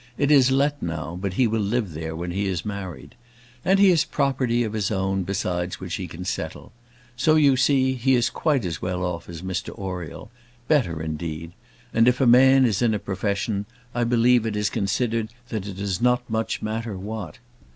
It is let now; but he will live there when he is married. And he has property of his own besides which he can settle. So, you see, he is quite as well off as Mr Oriel; better, indeed; and if a man is in a profession, I believe it is considered that it does not much matter what.